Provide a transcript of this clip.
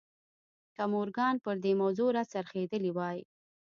که مورګان پر دې موضوع را څرخېدلی وای